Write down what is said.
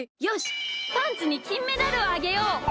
よしパンツにきんメダルをあげよう！